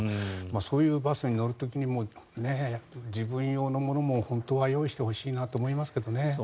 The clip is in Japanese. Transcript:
そういうバスに乗る時にも自分用のものも本当は用意してほしいなと思いますけどね。